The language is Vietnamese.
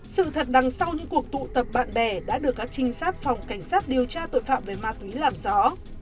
sự thật đằng sau những cuộc tụ tập bạn bè đã được các trinh sát phòng cảnh sát điều tra tội phạm về ma túy làm rõ